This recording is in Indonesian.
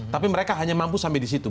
tapi mereka hanya mampu sampai di situ